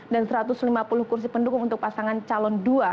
dan satu ratus lima puluh kursi pendukung untuk pasangan calon dua